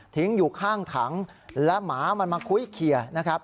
อยู่ข้างถังและหมามันมาคุ้ยเคลียร์นะครับ